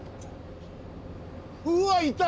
うわっいた！